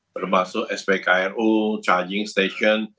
termasuk spkru charging station